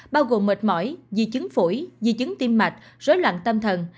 bao gồm mệt mỏi dì chứng phủi dì chứng tim mạch rối loạn tâm thần